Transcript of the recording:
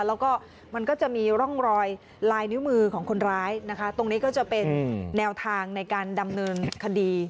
แล้วก็มันก็จะมีร่องรอยลายนิ้วมือของคนร้ายนะคะตรงนี้ก็จะเป็นแนวทางในการดำเนินคดี